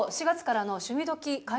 ４月からの「趣味どきっ！」